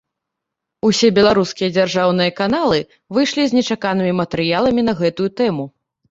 Усе беларускія дзяржаўныя каналы выйшлі з нечаканымі матэрыяламі на гэтую тэму.